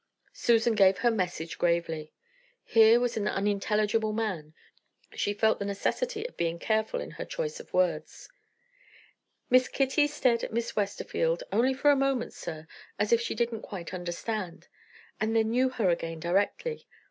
Susan gave her message gravely. Here was an unintelligible man; she felt the necessity of being careful in her choice of words. "Miss Kitty stared at Miss Westerfield only for a moment, sir as if she didn't quite understand, and then knew her again directly.